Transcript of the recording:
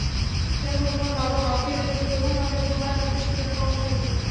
যখন তোমার বাবা মাফিয়াদের প্রধান হবে, তোমার হাতে সুযোগ কম থাকবে।